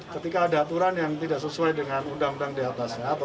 ketika ada aturan yang tidak sesuai dengan undang undangnya